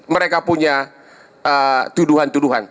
mereka punya tuduhan tuduhan